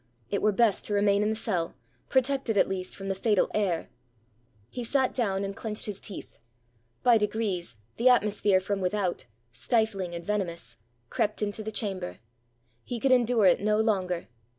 It were best to remain in the cell, protected, at least, from the fatal air. He sat down and clenched his teeth. By degrees, the atmosphere from without — stifling and venomous — crept into the chamber. He could endure it no longer.